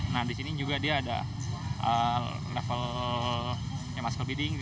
nah disini juga dia ada level muscle building